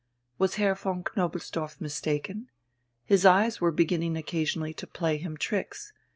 Was Herr von Knobelsdorff mistaken? His eyes were beginning occasionally to play him tricks.